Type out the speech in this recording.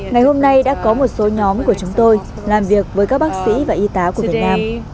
ngày hôm nay đã có một số nhóm của chúng tôi làm việc với các bác sĩ và y tá của việt nam